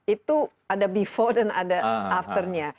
itu ada before dan ada afternya